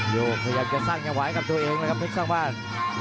โยกขยับจะสร้างอย่างไหวกับตัวเองนะครับเพชรสร้างบ้าน